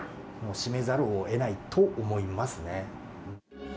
閉めざるをえないと思いますね。